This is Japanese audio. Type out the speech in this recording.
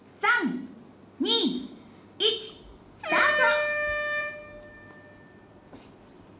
「５４３２１スタート！」。